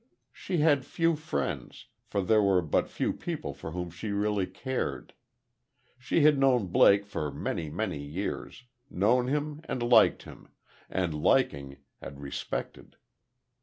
She had few friends; for there were but few people for whom she really cared. She had known Blake for many, many years known him and liked him, and liking, had respected.